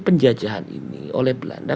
penjajahan ini oleh belanda